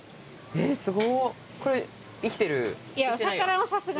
えっすご！